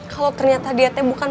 kalau ternyata dietnya bukan